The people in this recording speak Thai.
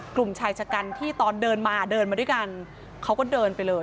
กลุ่มชายชะกันที่ตอนเดินมาเดินมาด้วยกันเขาก็เดินไปเลย